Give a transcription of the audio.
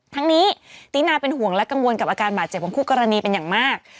ทั้งนี้ตินาเป็นห่วงและกังวลกับอาการบาดเจ็บของคู่กรณีเป็นอย่างมาก